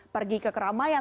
pergi ke keramaian